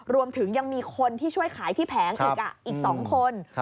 รวมถึงยังมีคนที่ช่วยขายที่แผงอีก๒คน